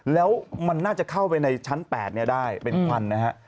แล้วมันน่าจะเข้าไปในชั้น๘ได้เป็นควันนะฮะ